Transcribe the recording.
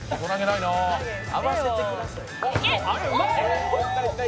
うまい！